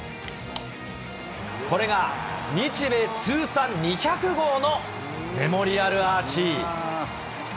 これが日米通算２００号のメモリアルアーチ。